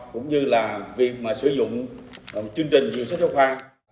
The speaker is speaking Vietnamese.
cũng như là việc mà sử dụng chương trình diễn xuất giáo khoa